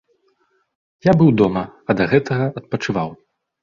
Я быў дома, а да гэтага адпачываў.